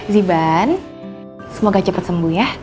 ziban semoga cepat sembuh ya